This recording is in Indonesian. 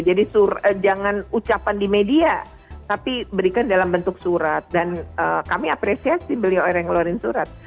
jadi jangan ucapan di media tapi berikan dalam bentuk surat dan kami apresiasi beliau orang yang ngeluarin surat